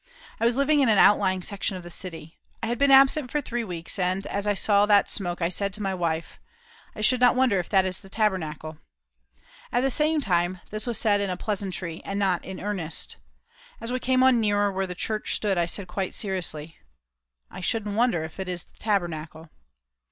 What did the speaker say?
I was living in an outlying section of the city. I had been absent for three weeks, and, as I saw that smoke, I said to my wife: "I should not wonder if that is the Tabernacle"; at the same time, this was said in pleasantry and not in earnest. As we came on nearer where the church stood, I said quite seriously: "I shouldn't wonder if it is the Tabernacle."